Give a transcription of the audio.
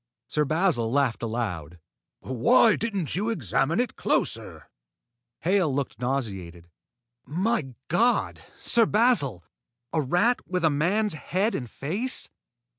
Sir Basil laughed aloud. "Why didn't you examine it closer?" Hale looked nauseated. "My God, Sir Basil! A rat with a man's head and face!"